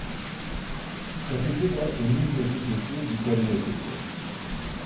Çakıcı da emin ve fütursuz yukarıya çıktı.